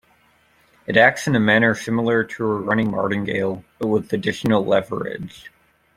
It acts in a manner similar to a running martingale, but with additional leverage.